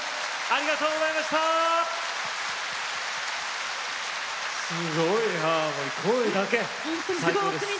ありがとうございます。